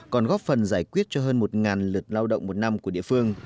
còn góp phần giải quyết cho hơn một lượt lao động một năm của địa phương